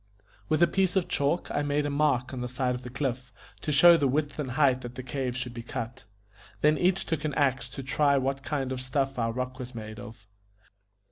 With a piece of chalk I made a mark on the side of the cliff, to show the width and height that the cave should be cut. Then each took an axe to try what kind of stuff our rock was made of.